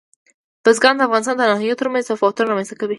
بزګان د افغانستان د ناحیو ترمنځ تفاوتونه رامنځته کوي.